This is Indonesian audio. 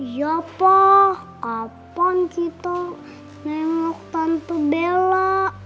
iya pa kapan kita nengok tante bella